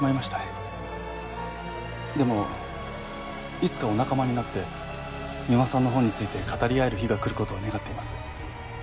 でもいつかお仲間になって三馬さんの本について語り合える日が来る事を願っています。